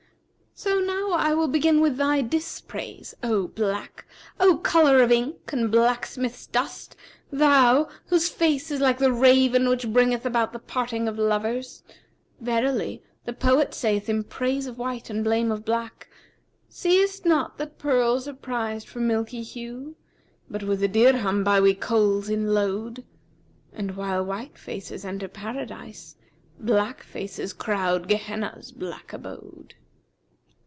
So now I will begin with thy dispraise, O black, O colour of ink and blacksmith's dust, thou whose face is like the raven which bringeth about the parting of lovers. Verily, the poet saith in praise of white and blame of black, 'Seest not that pearls are prized for milky hue, * But with a dirham buy we coals in load? And while white faces enter Paradise, * Black faces crowd Gehenna's black abode.'